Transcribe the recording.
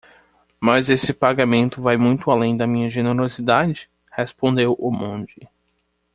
"Mas esse pagamento vai muito além da minha generosidade?", respondeu o monge.